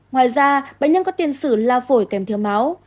ngoài ra bệnh nhân có tiền sử lao phổi kèm thiếu máu